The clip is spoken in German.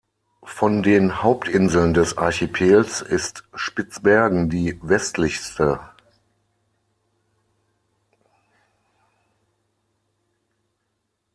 Von den Hauptinseln des Archipels ist Spitzbergen die westlichste.